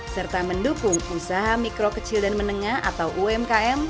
serta mendukung usaha mikro kecil dan menengah atau umkm